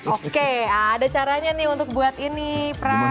oke ada caranya nih untuk buat ini pra